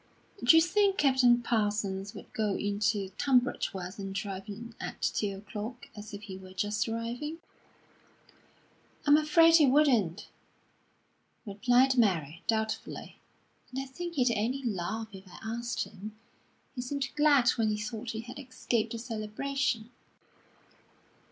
"D'you think Captain Parsons would go into Tunbridge Wells and drive in at two o'clock, as if he were just arriving?" "I'm afraid he wouldn't," replied Mary, doubtfully, "and I think he'd only laugh if I asked him. He seemed glad when he thought he had escaped the celebration."